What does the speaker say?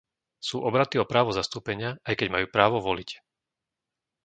Sú obratí o právo zastúpenia, aj keď majú právo voliť.